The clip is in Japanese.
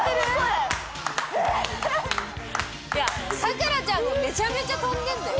え⁉サクラちゃんもめちゃめちゃ跳んでんだよ。